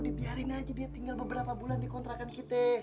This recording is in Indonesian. udah biarin aja dia tinggal beberapa bulan dikontrakan kita